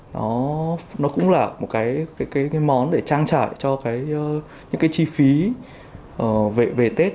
nó cũng là một cái món để trang trải cho những cái chi phí về tết